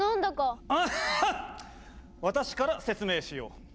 私から説明しよう。